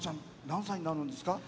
何歳になるんですか？